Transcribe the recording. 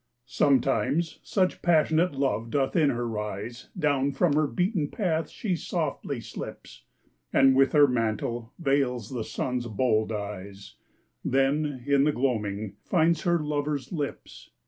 Sometimes such passionate love doth in her rise, Down from her beaten path she softly slips, And with her mantle veils the Sun's bold eyes, Then in the gloaming finds her lover's lips.